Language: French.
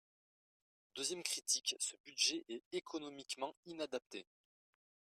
Deuxième critique, ce budget est économiquement inadapté.